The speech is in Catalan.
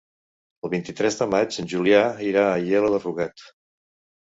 El vint-i-tres de maig en Julià irà a Aielo de Rugat.